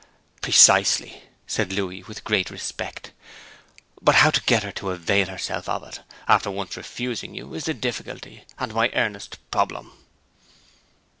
'Precisely,' said Louis, with great respect. 'But how to get her to avail herself of it, after once refusing you, is the difficulty, and my earnest problem.'